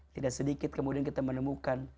tidak sedikit kemudian kita menemukan